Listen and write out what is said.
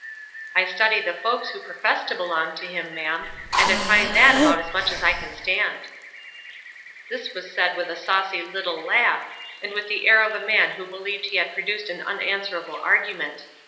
"I study the folks who profess to belong to him, ma'am, and I find that about as much as I can stand." This was said with a saucy little laugh, and with the air of a man who believed he had produced an unanswerable argument.